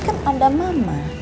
kan ada mama